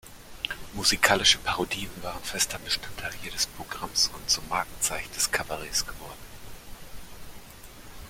Musikalische Parodien waren fester Bestandteil jedes Programms und zum Markenzeichen des Kabaretts geworden.